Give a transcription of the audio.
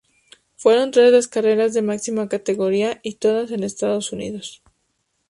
Fueron tres las carreras de máxima categoría y todas en Estados Unidos.